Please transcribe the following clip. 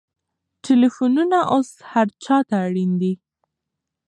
ټلېفونونه اوس هر چا ته اړین دي.